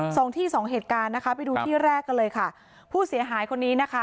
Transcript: สองที่สองเหตุการณ์นะคะไปดูที่แรกกันเลยค่ะผู้เสียหายคนนี้นะคะ